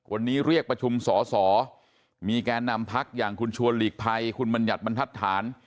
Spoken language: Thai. วันนี้เรียกประชุมสอสอมีแก่นำพักอย่างคุณชวนหลีกภัยคุณบัญญัติบรรทัศน์